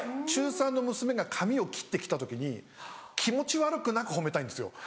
中３の娘が髪を切って来た時に気持ち悪くなく褒めたいんですよ。